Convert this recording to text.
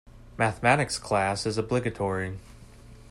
Mathematics class is obligatory.